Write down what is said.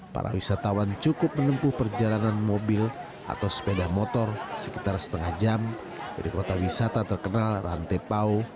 para wisatawan cukup menempuh perjalanan mobil atau sepeda motor sekitar setengah jam dari kota wisata terkenal rantepao